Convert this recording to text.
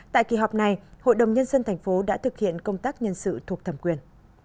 tại kỳ họp này hội đồng nhân dân thành phố đã thực hiện công tác nhân sự thuộc thẩm quyền